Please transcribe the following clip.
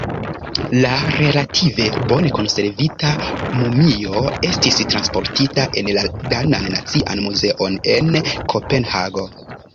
La relative bone konservita mumio estis transportita en la danan nacian muzeon en Kopenhago.